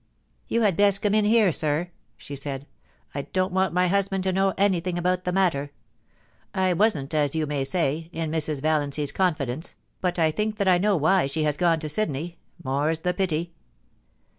* You had best come in here, sir,' she said ;* I don't want my husband to know anything about the matter. I wasn't, as you may say, in Mrs. Valiancy's confidence, but I think that I know why she has gone to Sydney — more's the pity